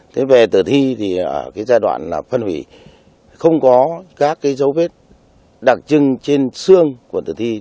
thế về tử thi thì ở cái giai đoạn là phân hủy không có các cái dấu vết đặc trưng trên xương của tử thi